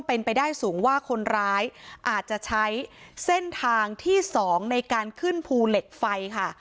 เป็นไปได้สูงว่าคนร้ายอาจจะใช้เส้นทางที่๒ในการขึ้นภูเหล็กไฟค่ะ